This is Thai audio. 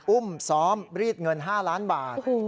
อุ้มซ้อมรีดเงิน๕ล้านบาท